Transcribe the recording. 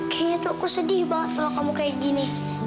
kayaknya tuh aku sedih banget kalau kamu kayak gini